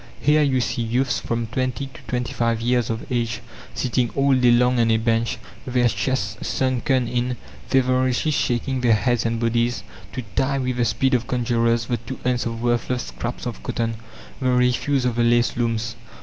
Here you see youths from twenty to twenty five years of age, sitting all day long on a bench, their chests sunken in, feverishly shaking their heads and bodies, to tie, with the speed of conjurers, the two ends of worthless scraps of cotton, the refuse of the lace looms.